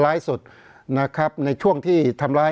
เพราะฉะนั้นประชาธิปไตยเนี่ยคือการยอมรับความเห็นที่แตกต่าง